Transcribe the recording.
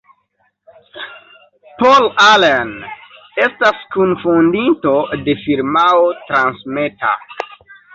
Paul Allen estas kunfondinto de firmao Transmeta.